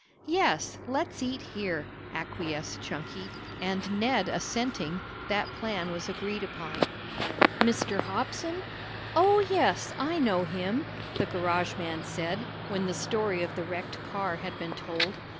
"Yes, let's eat here," acquiesced Chunky, and Ned assenting, that plan was agreed upon. "Mr. Hobson? Oh, yes, I know him," the garage man said when the story of the wrecked car had been told.